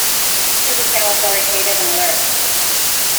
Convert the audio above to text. It was now authoritative and alert..